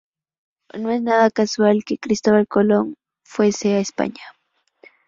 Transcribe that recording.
No es nada casual que Cristóbal Colón fuese a España.